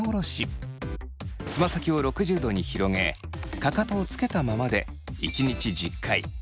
つま先を６０度に広げかかとをつけたままで１日１０回。